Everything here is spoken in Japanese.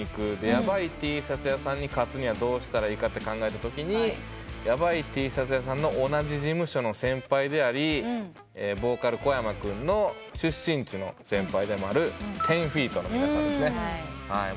ヤバイＴシャツ屋さんに勝つにはどうしたらいいか考えたときにヤバイＴシャツ屋さんの同じ事務所の先輩でありボーカルこやま君の出身地の先輩でもある１０−ＦＥＥＴの皆さんですね。